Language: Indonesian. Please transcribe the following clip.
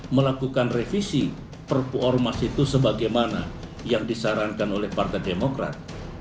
melakukan revisi perpu ormas itu sebagaimana yang disarankan oleh partai demokrat